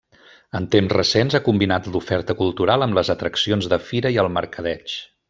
En temps recents ha combinat l'oferta cultural amb les atraccions de fira i el mercadeig.